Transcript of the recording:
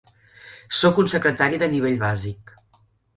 Soc un secretari de nivell bàsic.